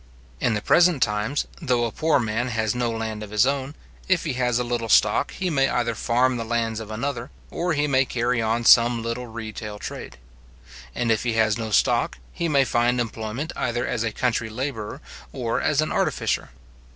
In the present times, though a poor man has no land of his own, if he has a little stock, he may either farm the lands of another, or he may carry on some little retail trade; and if he has no stock, he may find employment either as a country labourer, or as an artificer.